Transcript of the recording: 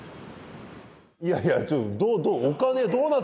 いやいやちょっと。